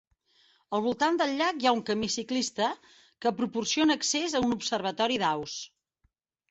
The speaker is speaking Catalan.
Al voltant del llac hi ha un camí ciclista que proporciona accés a un observatori d'aus.